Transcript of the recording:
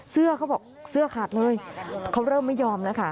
เสื้อเขาบอกเสื้อขาดเลยเขาเริ่มไม่ยอมแล้วค่ะ